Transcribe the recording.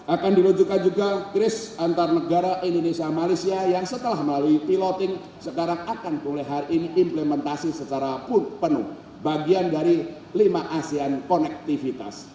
akan dirujukkan juga kris antar negara indonesia malaysia yang setelah melalui piloting sekarang akan mulai hari ini implementasi secara penuh bagian dari lima asean konektivitas